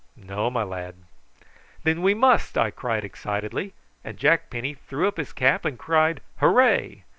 "No, my lad." "Then we must," I cried excitedly; and Jack Penny threw up his cap and cried "Hooray!"